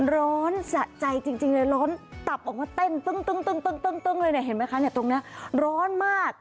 สะใจจริงเลยร้อนตับออกมาเต้นตึ้งเลยเนี่ยเห็นไหมคะเนี่ยตรงนี้ร้อนมาก